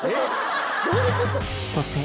そして